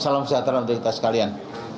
salam sejahtera untuk kita sekalian